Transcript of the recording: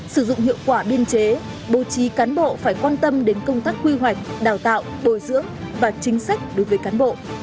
sử dụng hiệu quả biên chế bố trí cán bộ phải quan tâm đến công tác quy hoạch đào tạo bồi dưỡng và chính sách đối với cán bộ